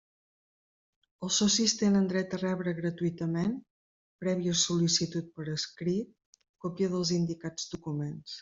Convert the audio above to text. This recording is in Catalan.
Els socis tenen dret a rebre gratuïtament, prèvia sol·licitud per escrit, còpia dels indicats documents.